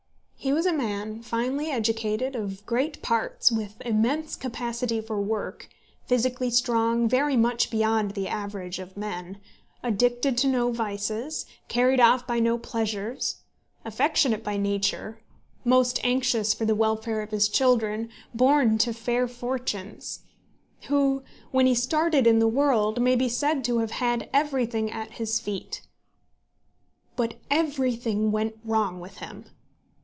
He was a man, finely educated, of great parts, with immense capacity for work, physically strong very much beyond the average of men, addicted to no vices, carried off by no pleasures, affectionate by nature, most anxious for the welfare of his children, born to fair fortunes, who, when he started in the world, may be said to have had everything at his feet. But everything went wrong with him.